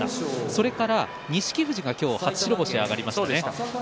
それから錦富士が今日初白星でした。